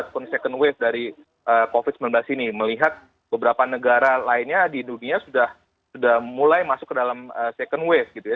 ataupun second wave dari covid sembilan belas ini melihat beberapa negara lainnya di dunia sudah mulai masuk ke dalam second wave gitu ya